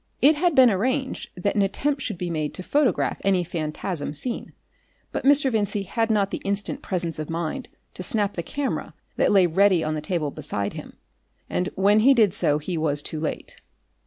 It had been arranged that an attempt should be made to photograph any phantasm seen, but Mr. Vincey had not the instant presence of mind to snap the camera that lay ready on the table beside him, and when he did so he was too late.